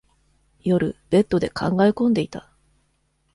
夜、ベッドで考え込んでいた。